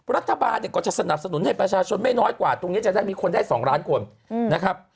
รัฐบาลเนี่ยก็จะสนับสนุนให้ประชาชนไม่น้อยกว่าตรงนี้จะได้มีคนได้๒ล้านคนนะครับ